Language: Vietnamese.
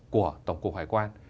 của tổng cục hải quan